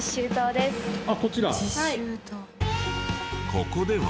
ここでは。